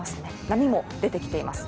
波も出てきています。